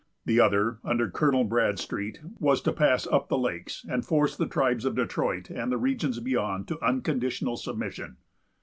The other, under Colonel Bradstreet, was to pass up the lakes, and force the tribes of Detroit, and the regions beyond, to unconditional submission.